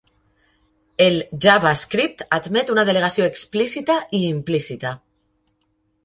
El JavaScript admet una delegació explícita i implícita.